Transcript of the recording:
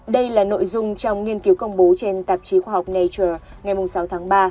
đây là nội dung trong nghiên cứu công bố trên tạp chí khoa học nature ngày sáu tháng ba